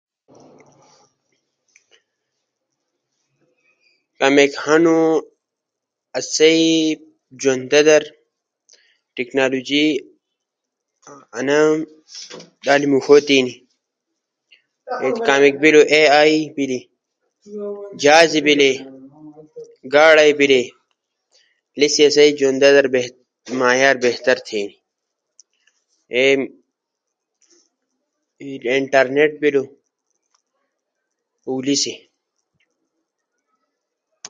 آسئی جوندا در ٹیکنالوجی انا لالی موݜو تی ہنی۔ کامیک بیلو اے ائی بیلے، جھاز بیلے، گاڑے بیلے، انیس تی آسو جوند در معیار بہتر بیلے۔ انٹرنیٹ بیلو،